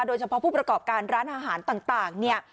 โดยเฉพาะผู้ประกอบการร้านอาหารต่างเนี่ย